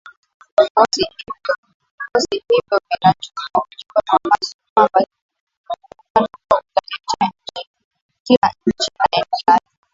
Vikosi hivyo vinatuma ujumbe kwa Moscow kwamba muungano huo utatetea kila nchi ya eneo lake